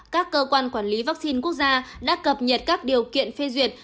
các cơ quan quản lý vaccine quốc gia đã cập nhật các điều kiện phê duyệt